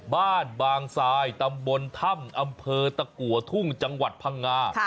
บ้านบางทรายตำบลถ้ำอำเภอตะกัวทุ่งจังหวัดพังงา